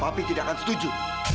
papi tidak akan setuju